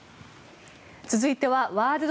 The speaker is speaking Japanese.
続いてはワールド！